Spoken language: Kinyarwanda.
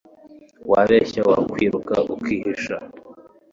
wabeshya? wakwiruka ukihisha